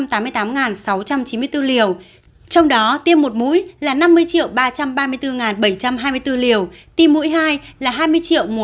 trong đó tiêm một mũi là năm mươi ba trăm ba mươi bốn bảy trăm hai mươi bốn liều tiêm mũi hai là hai mươi một trăm năm mươi ba chín trăm bảy mươi liều